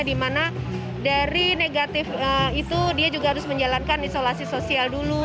dimana dari negatif itu dia juga harus menjalankan isolasi sosial dulu